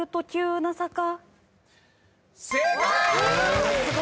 正解！